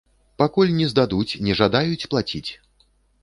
Пакуль не здадуць, не жадаюць плаціць!